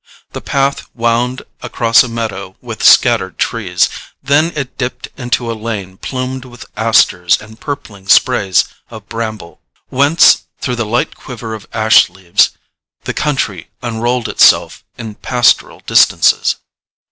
The path wound across a meadow with scattered trees; then it dipped into a lane plumed with asters and purpling sprays of bramble, whence, through the light quiver of ash leaves, the country unrolled itself in pastoral distances.